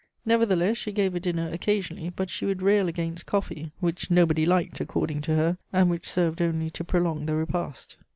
Nevertheless she gave a dinner occasionally; but she would rail against coffee, which nobody liked, according to her, and which served only to prolong the repast.